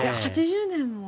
８０年も。